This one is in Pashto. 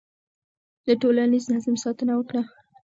د ټولنیز نظم ساتنه وکړه.